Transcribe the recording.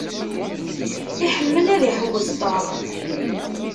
Iḥemmel ad iḥewwes Tom.